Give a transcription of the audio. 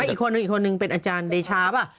อีกคนนึงอีกคนนึงเป็นอาจารย์เดชาป่ะ